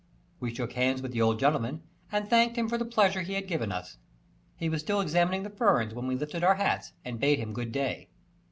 We shook hands with the old gentleman and thanked him for the pleasure he had given us. He was still examining the ferns when we lifted our hats and bade him good day.